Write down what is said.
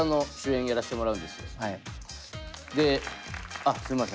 あっすんません